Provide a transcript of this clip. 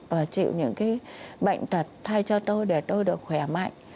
và chịu những cái bệnh tật thay cho tôi để tôi được khỏe mạnh